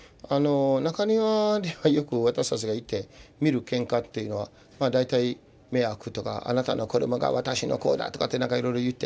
中庭ではよく私たちがいて見るケンカっていうのは大体迷惑とかあなたの子どもが私のこうだとかってなんかいろいろ言って。